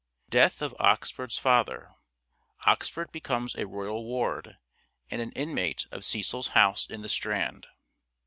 Death of Oxford's father : Oxford becomes (conttnuea). a rovai war(j) an(j an inmate of Cecil's house in The Strand.